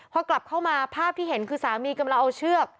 พอกลับเข้ามาภาพที่เห็นคือสามีกำลังเอาเชือก